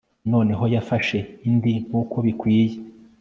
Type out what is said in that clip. noneho yafashe indi, nkuko bikwiye